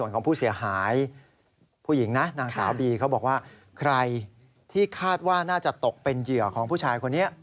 ใครที่คาดว่าน่าจะตกเป็นเหยื่อของผู้ชายคนนี้